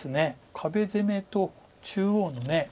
壁攻めと中央のね。